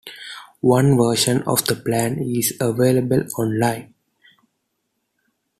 One version of the plan is available online.